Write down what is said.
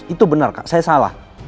itu benar kak saya salah